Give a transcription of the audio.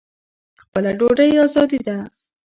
خپله ډوډۍ ازادي ده.